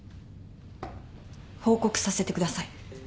報告させてください。